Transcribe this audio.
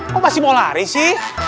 aku masih mau lari sih